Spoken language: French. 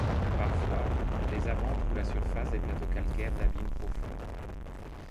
Parfois, des avens trouent la surface des plateaux calcaires d'abîmes profonds.